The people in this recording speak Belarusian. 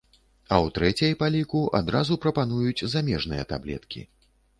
А ў трэцяй па ліку адразу прапануюць замежныя таблеткі.